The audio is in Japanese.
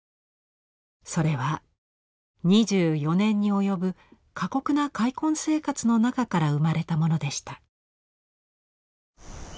それは２４年に及ぶ過酷な開墾生活の中から生まれたものでした。